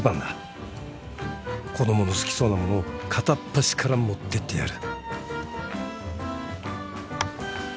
子供の好きそうな物を片っ端から持ってってやる